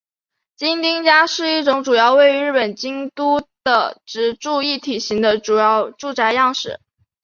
京町家是一种主要位于日本京都的职住一体型的住宅样式。